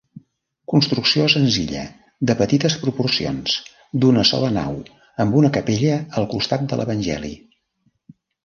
Construcció senzilla de petites proporcions, d'una sola nau, amb una capella al costat de l'Evangeli.